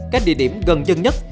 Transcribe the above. các địa điểm gần dân nhất